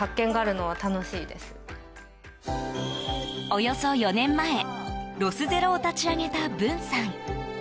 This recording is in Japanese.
およそ４年前ロスゼロを立ち上げた文さん。